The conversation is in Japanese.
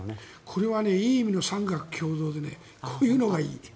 これはいい意味の産学協同でねこういうのがいい。